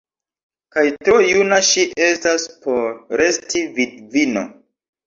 Kaj tro juna ŝi estas por resti vidvino!